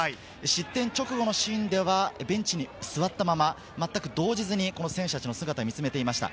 失点直後のシーンでは、ベンチに座ったまま、まったく動じずに選手たちの姿を見つめていました。